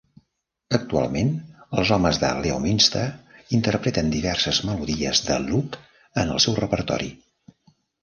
Actualment, els homes de Leominster interpreten diverses melodies de Locke en el seu repertori.